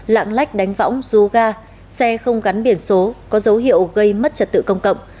lạng lách đánh võng rú ga xe không gắn biển số có dấu hiệu gây mất trật tự công cộng